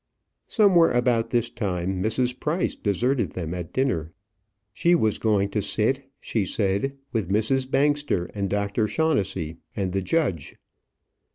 Somewhere about this time, Mrs. Price deserted them at dinner. She was going to sit, she said, with Mrs. Bangster, and Dr. Shaughnessey, and the judge.